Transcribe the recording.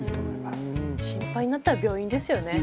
心配になったら病院ですよね。